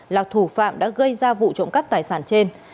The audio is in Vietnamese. là thủ phạm đã gây ra vụ trộm cắp tài sản trên